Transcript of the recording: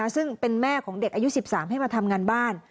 ซึ่งเป็นแม่ของเด็กอายุ๑๓ให้มาทำงานบ้าน